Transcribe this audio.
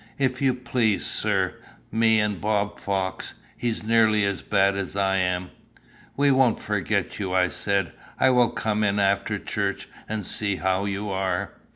"If you please, sir; me and Bob Fox. He's nearly as bad as I am." "We won't forget you," I said. "I will come in after church and see how you are."